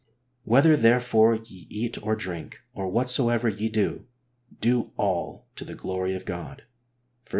"Whether therefore ye eat or drink, or whatsoever ye do, do all to the glory of God " (i Cor. x.